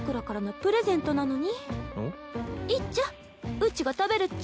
うちが食べるっちゃ。